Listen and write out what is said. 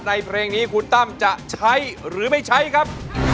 เพลงนี้คุณตั้มจะใช้หรือไม่ใช้ครับ